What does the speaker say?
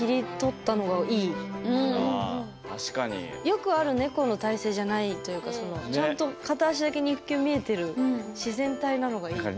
よくある猫の体勢じゃないというかそのちゃんと片足だけ肉球見えてる自然体なのがいい。